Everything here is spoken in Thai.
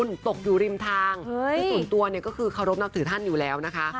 โดยส่วนตัวโคตรคือเค้ารบนับถือท่านอยู่แล้วนะคะ